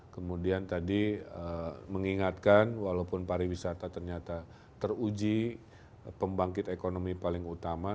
kemudian tadi mengingatkan walaupun pariwisata ternyata teruji pembangkit ekonomi paling utama